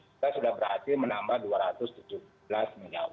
kita sudah berhasil menambah dua ratus tujuh belas mw